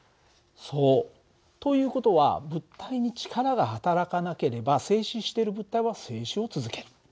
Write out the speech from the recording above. そう。という事は物体に力がはたらかなければ静止している物体は静止を続ける。